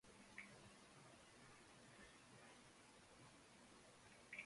Algunos Júpiter calientes detectados mediante Velocidad Radial podrían ser planetas hinchados.